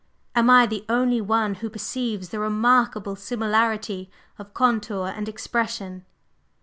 Am I the only one who perceives the remarkable similarity of contour and expression?"